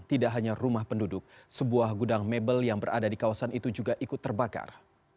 tidak hanya rumah penduduk sebuah gudang mebel yang berada di kawasan itu juga ikut terbakar